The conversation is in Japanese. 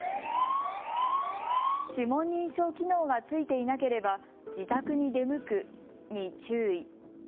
指紋認証機能が付いていなければ自宅に出向くに注意。